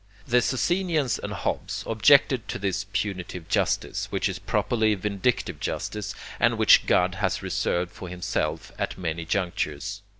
The Socinians and Hobbes objected to this punitive justice, which is properly vindictive justice and which God has reserved for himself at many junctures.